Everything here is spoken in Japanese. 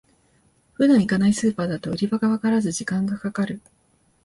普段行かないスーパーだと売り場がわからず時間がかかる